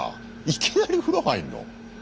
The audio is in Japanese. いきなり風呂入んの？